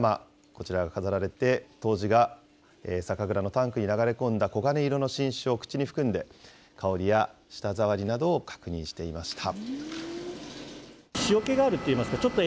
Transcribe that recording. こちらが飾られて、杜氏が酒蔵のタンクに流れ込んだ黄金色の新酒を口に含んで、香りや舌触りなどを確認していました。